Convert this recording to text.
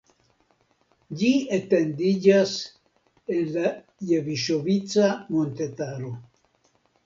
Ĝi etendiĝas en Jeviŝovica montetaro.